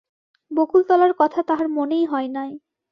বকুলতলার কথা তাহার মনেই হয় নাই।